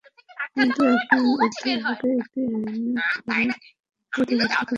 কিন্তু এখন অর্থ বিভাগ একটি আইন করে এসব সুবিধা বাতিল করতে চাচ্ছে।